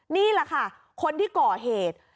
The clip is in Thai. นี่แหละค่ะคนที่ก่อเหตุ